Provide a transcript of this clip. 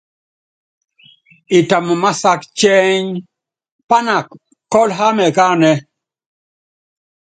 Itamv másák cɛ́ny, pának kɔ́l hámɛ ukáánɛ́.